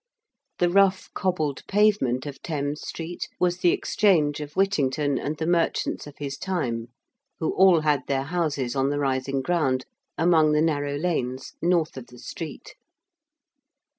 The rough cobbled pavement of Thames Street was the Exchange of Whittington and the merchants of his time, who all had their houses on the rising ground, among the narrow lanes north of the street.